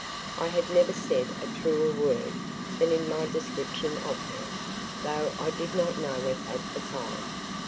I had never said a truer word than in my description of her, though I did not know it at the time.